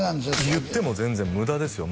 言っても全然ムダですよ